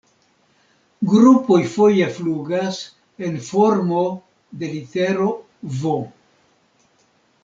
Grupoj foje flugas en formo de litero "V".